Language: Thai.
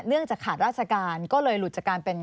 เนื่องจากขาดราชการก็เลยหลุดจากการเป็น